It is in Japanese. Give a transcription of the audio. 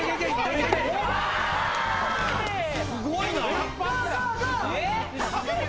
すごいな。